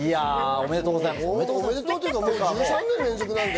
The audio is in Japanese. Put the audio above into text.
おめでとうございます。